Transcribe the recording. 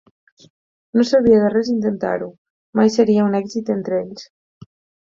No servia de res intentar-ho: mai seria un èxit entre ells.